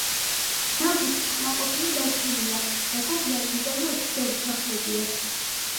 ნახვით კმაყოფილი დარჩენილა და გოგი ამ მიდამოებში დაუსახლებია.